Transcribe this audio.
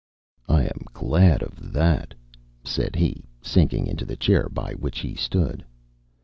"I am glad of that," said he, sinking into the chair by which he stood.